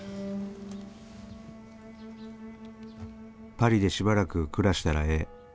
「パリでしばらく暮らしたらええ。